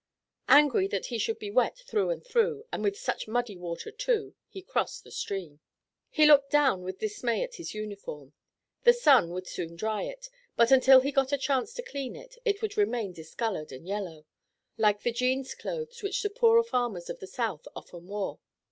Angry that he should be wet through and through, and with such muddy water too, he crossed the stream. He looked down with dismay at his uniform. The sun would soon dry it, but until he got a chance to clean it, it would remain discolored and yellow, like the jeans clothes which the poorer farmers of the South often wore.